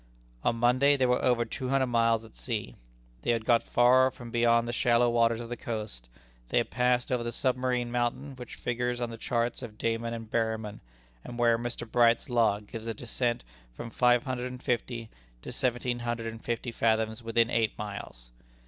On Monday they were over two hundred miles at sea. They had got far beyond the shallow waters off the coast. They had passed over the submarine mountain which figures on the charts of Dayman and Berryman, and where Mr. Bright's log gives a descent from five hundred and fifty to seventeen hundred and fifty fathoms within eight miles!